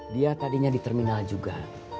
dia tadinya di terminal juga